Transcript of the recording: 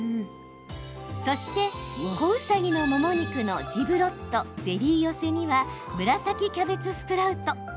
そして仔ウサギのもも肉のジブロットゼリー寄せには紫キャベツスプラウト。